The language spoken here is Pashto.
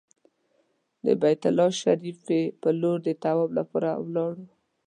د بیت الله شریفې پر لور د طواف لپاره ولاړو.